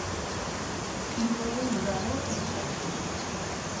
Hiru egun geroago hil zen.